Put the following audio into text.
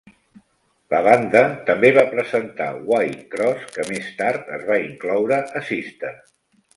La banda també va presentar "White Kross", que més tard es va incloure a "Sister".